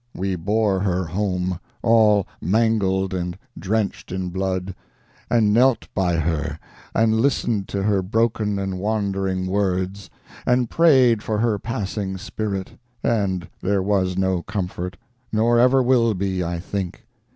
We bore her home, all mangled and drenched in blood, and knelt by her and listened to her broken and wandering words, and prayed for her passing spirit, and there was no comfort—nor ever will be, I think.